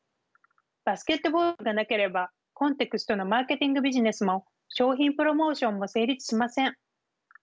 バスケットボールがなければコンテクストのマーケティングビジネスも商品プロモーションも成立しません。